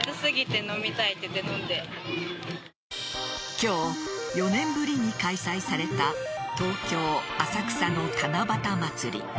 今日、４年ぶりに開催された東京・浅草の七夕まつり。